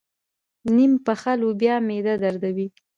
نيم پخه لوبیا معده دردوي.